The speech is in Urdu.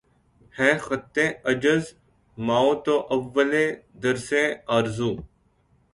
ہے خطِ عجز مَاو تُو اَوّلِ درسِ آرزو